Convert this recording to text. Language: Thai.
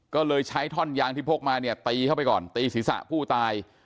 ก็เลยใช้ท่อนยางที่พกมาเนี่ยตีเข้าไปก่อนตีศีรษะผู้ตาย